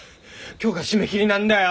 今日が締め切りなんだよ！